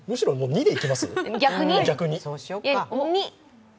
２でいきます？